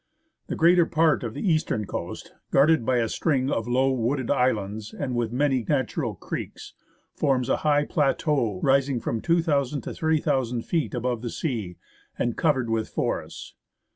The greater part of the eastern coast, guarded by a string of low, wooded islands and with many natural creeks, forms a highland plateau rising from 2,000 to 3,000 feet above the sea and covered with forests.